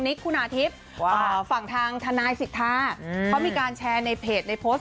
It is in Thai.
นิคคุณาฮิพฝั่งทางธนายศิษย์ภาพก็มีการแชร์ในเพจในโพสต์